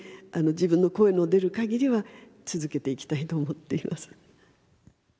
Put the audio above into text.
自分の声の出る限りは続けていきたいと思っています。